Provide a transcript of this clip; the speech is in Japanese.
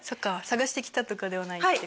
探してきたとかではないって事？